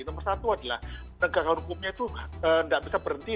nomor satu adalah penegakan hukumnya itu tidak bisa berhenti